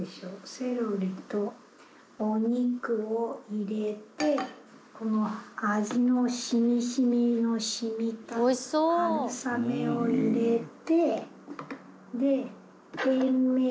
セロリとお肉を入れてこの味の染み染みの染みた春雨を入れて。